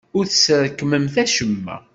Ur tesrekmemt acemma.